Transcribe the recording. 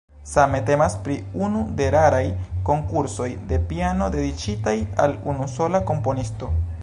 Same temas pri unu de raraj konkursoj de piano dediĉitaj al unusola komponisto.